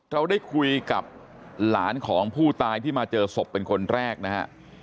เราได้คุยกับหลานของผู้ตายที่มาเจอศพเป็นคนแรกนะฮะ